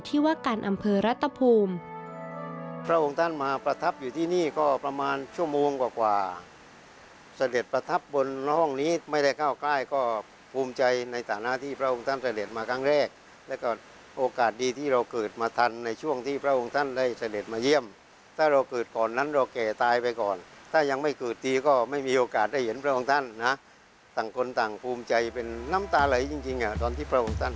ที่ว่าการอำเภอรัตภูมิ